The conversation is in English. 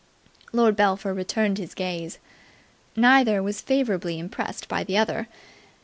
Lord Belpher returned his gaze. Neither was favourably impressed by the other.